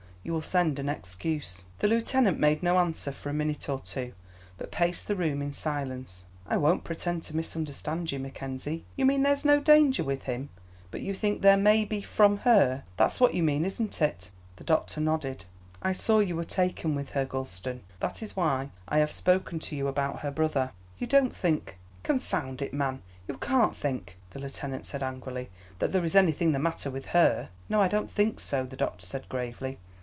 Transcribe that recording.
You will send an excuse." The lieutenant made no answer for a minute or two, but paced the room in silence. "I won't pretend to misunderstand you, Mackenzie. You mean there's no danger with him, but you think there may be from her. That's what you mean, isn't it?" The doctor nodded. "I saw you were taken with her, Gulston; that is why I have spoken to you about her brother." "You don't think confound it, man you can't think," the lieutenant said, angrily, "that there is anything the matter with her?" "No, I don't think so," the doctor said, gravely.